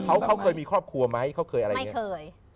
เขาเขาเคยมีครอบครัวไหมเขาเคยอะไรอย่างนี้เคย